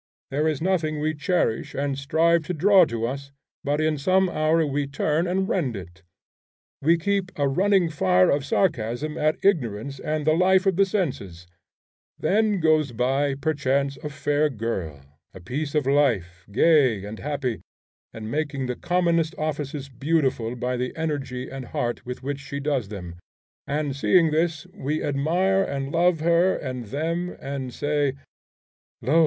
There is nothing we cherish and strive to draw to us but in some hour we turn and rend it. We keep a running fire of sarcasm at ignorance and the life of the senses; then goes by, perchance, a fair girl, a piece of life, gay and happy, and making the commonest offices beautiful by the energy and heart with which she does them; and seeing this we admire and love her and them, and say, 'Lo!